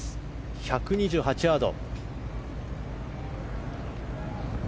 １２８ヤード。